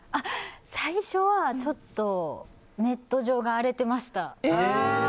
最初は、ちょっとネット上が荒れてました。